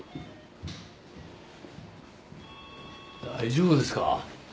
大丈夫ですか？